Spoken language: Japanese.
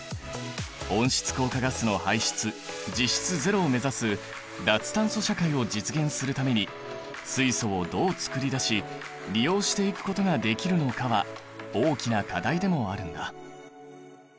温室効果ガスの排出実質ゼロを目指す脱炭素社会を実現するために水素をどうつくり出し利用していくことができるのかは大きな課題でもあるんだ。